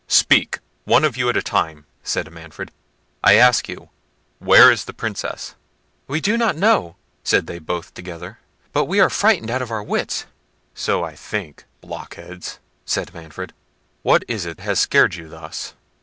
"Speak one of you at a time," said Manfred; "I ask you, where is the Princess?" "We do not know," said they both together; "but we are frightened out of our wits." "So I think, blockheads," said Manfred; "what is it has scared you thus?"